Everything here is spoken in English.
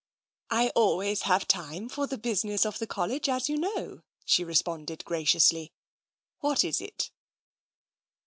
"I always have time for the business of the College, as you know," she responded graciously. "What is it?"